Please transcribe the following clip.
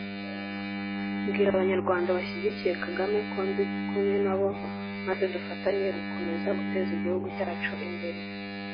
Mbwire abanyarwanda bashyigikiye Kagame ko ndi kumwe nabo maze dufatanye gukomeza guteza igihugu cyacu imbere